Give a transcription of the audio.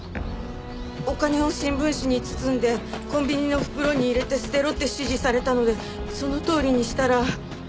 お金を新聞紙に包んでコンビニの袋に入れて捨てろって指示されたのでそのとおりにしたら。